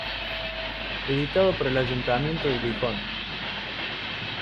Editado por el Ayuntamiento de Gijón.